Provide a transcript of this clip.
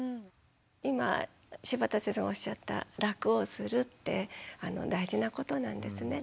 今柴田先生がおっしゃった楽をするって大事なことなんですね。